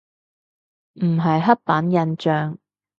唔係刻板印象